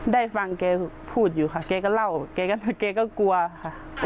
ได้ฟังแกพูดอยู่ค่ะแกก็เล่าแกก็กลัวค่ะ